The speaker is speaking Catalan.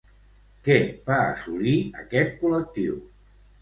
Què va assolir aquest col·lectiu?